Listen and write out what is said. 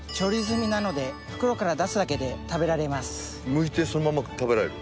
むいてそのまま食べられる。